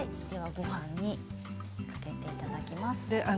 ごはんにかけていただきます。